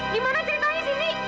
gimana ceritanya sindi